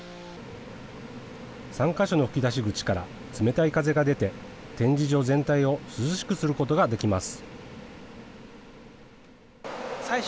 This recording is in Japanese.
３か所の吹き出し口から冷たい風が出て、展示場全体を涼しくすることができます。